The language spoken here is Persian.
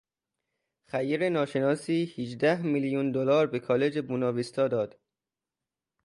خیر ناشناسی هیجده میلیون دلار به کالج بوناویستا داد.